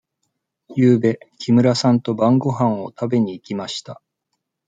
ゆうべ木村さんと晩ごはんを食べに行きました。